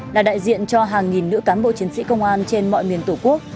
là đại diện cho hàng nghìn nữ cán bộ chiến sĩ công an trên mọi miền tổ quốc